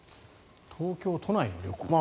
東京都内の旅行です。